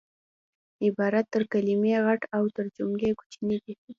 عبارت تر کلیمې غټ او تر جملې کوچنی دئ